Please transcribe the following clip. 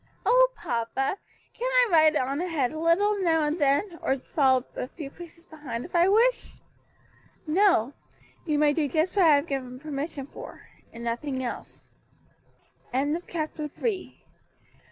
"Oh, papa, can't I ride on ahead a little, now and then, or fall a few paces behind if I wish?" "No; you may do just what I have given permission for, and nothing else." CHAPTER FOURTH.